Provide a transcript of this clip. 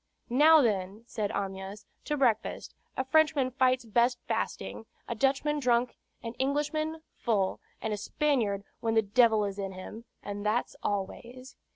"Now, then," said Amyas, "to breakfast. A Frenchman fights best fasting, a Dutchman drunk, an Englishman full, and a Spaniard when the devil is in him, and that's always."